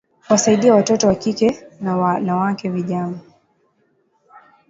kuwasaidia watoto wa kike na wanawake vijana